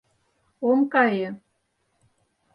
Ом кае!